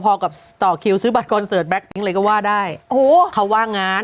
พอกับต่อคิวซื้อบัตรคอนเสิร์ตแก๊กปิ๊งเลยก็ว่าได้โอ้โหเขาว่างั้น